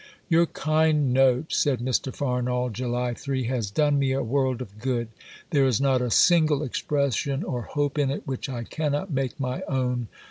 "Your kind note," said Mr. Farnall (July 3), "has done me a world of good; there is not a single expression or hope in it which I cannot make my own.